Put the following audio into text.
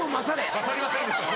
勝りませんでした。